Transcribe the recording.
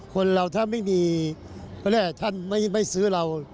คนเราถ้าไม่มีท่านไม่ซื้อเรา